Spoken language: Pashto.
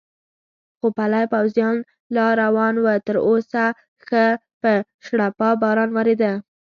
خو پلی پوځیان لا روان و، تراوسه ښه په شړپا باران ورېده.